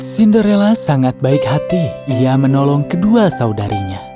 cinderella sangat baik hati ia menolong kedua saudarinya